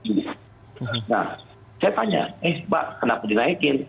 nah saya tanya eh pak kenapa dinaikin